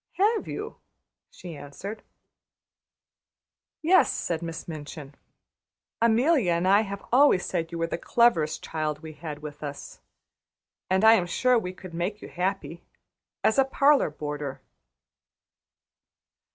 "Have you?" she answered. "Yes," said Miss Minchin. "Amelia and I have always said you were the cleverest child we had with us, and I am sure we could make you happy as a parlor boarder."